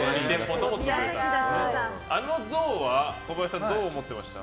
あの像は小林さんどう思ってました？